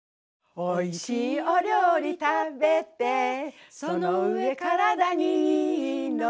「おいしいお料理食べてその上体にいいの」